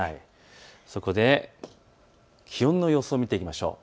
そこで気温の様子を見ていきましょう。